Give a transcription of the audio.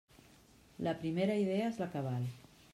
La primera idea és la que val.